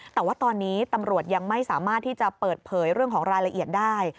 แต่ว่าตอนนี้ตำรวจยังไม่สามารถที่จะเปิดเผยเรื่องของรายละเอียดได้